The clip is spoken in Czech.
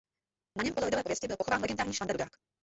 Na něm podle lidové pověsti byl pochován legendární Švanda dudák.